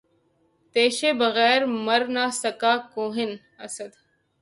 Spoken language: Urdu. تیشے بغیر مر نہ سکا کوہکن، اسد